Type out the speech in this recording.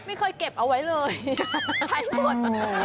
ไม่เคยเก็บเอาไว้เลยใช้หมด